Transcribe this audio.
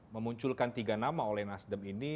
memunculkan tiga nama oleh nasdem ini